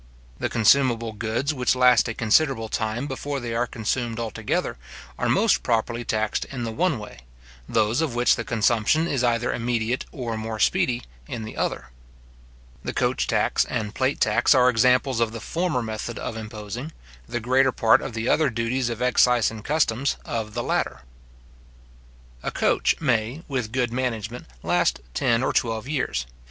The consumable goods which last a considerable time before they are consumed altogether, are most properly taxed in the one way; those of which the consumption is either immediate or more speedy, in the other. The coach tax and plate tax are examples of the former method of imposing; the greater part of the other duties of excise and customs, of the latter. A coach may, with good management, last ten or twelve years.